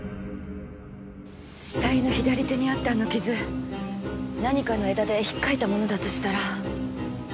死体の左手にあったあの傷何かの枝で引っかいたものだとしたら。